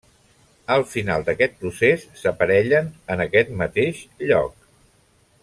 Al final d'aquest procés s'aparellen en aquest mateix lloc.